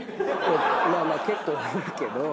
まあまあ結構多いけど。